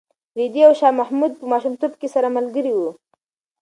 رېدي او شاه محمود په ماشومتوب کې سره ملګري وو.